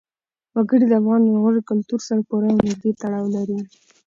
وګړي د افغان لرغوني کلتور سره پوره او نږدې تړاو لري.